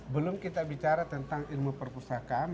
belum kita bicara tentang ilmu perpustakaan